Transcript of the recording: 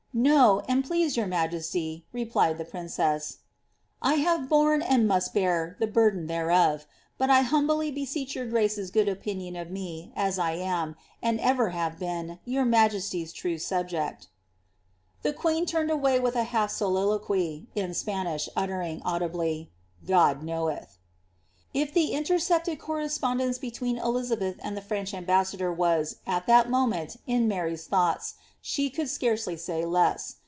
No, an"* please your majesty," replied the princess, '* I have borne, and must hear, the burden theieof; but I humbly beseech your grace's gocKJ opinion of me, as 1 am, and ever have been, your majesty's true subject." The ((ueen turned away with a half soliloquy, in Spanish, — uttering, audibly, »* Goil knoweth." ' If the intercepted correspondence between Elizabeth and the French ambassador was, at that moment, in Mary^s thoughts, she could scarcely •ay less.